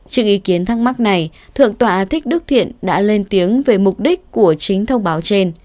trước ý kiến thắc mắc này thượng tọa thích đức thiện đã lên tiếng về mục đích của chính thông báo trên